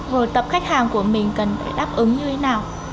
rồi tập khách hàng của mình cần phải đáp ứng như thế nào